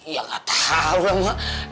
ya gak tau lah mak